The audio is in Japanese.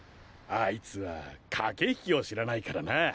あいつは駆け引きを知らないからな。